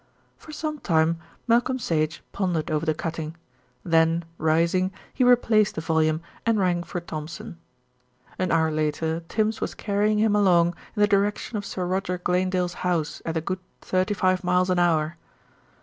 For some time Malcolm Sage pondered over the cutting, then rising he replaced the volume and rang for Thompson. An hour later Tims was carrying him along in the direction of Sir Roger Glanedale's house at a good thirty five miles an hour.